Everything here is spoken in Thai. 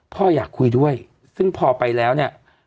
อยากคุยด้วยซึ่งพอไปแล้วเนี่ย